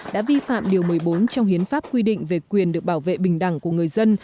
đã vi phạm điều một mươi bốn trong hiến pháp quy định về quyền được bảo vệ bình đẳng của người dân